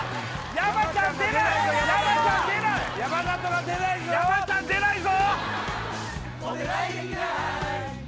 山ちゃん出ないぞ！